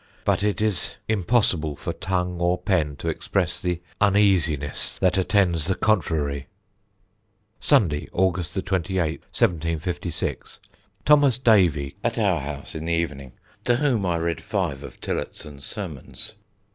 But it is impossible for tongue or pen to express the uneasiness that attends the contrary. "Sunday, August 28th, 1756, Thos. Davey, at our house in the evening, to whom I read five of Tillotson's Sermons.